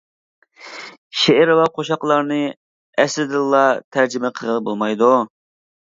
شېئىر ۋە قوشاقلارنى ئەسلىدىنلا تەرجىمە قىلغىلى بولمايدۇ.